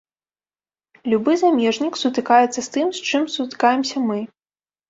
Любы замежнік сутыкаецца з тым, з чым сутыкаемся мы.